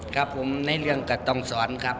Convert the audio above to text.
ครับผมได้เรื่องกับเงินต้องสอนครับ